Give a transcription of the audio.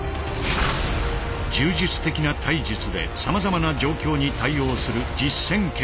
柔術的な体術でさまざまな状況に対応する実戦剣術。